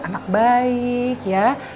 anak baik ya